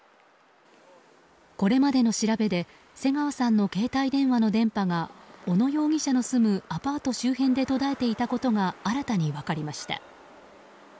これまでの調べで瀬川さんの携帯電話の電波が小野容疑者の住むアパート周辺で途絶えていたことが新たに分かりました。